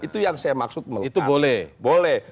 itu yang saya maksud itu boleh boleh